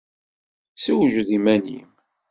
Sewjed iman-im.